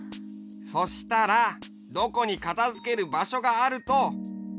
そしたらどこにかたづけるばしょがあるといいんだろう？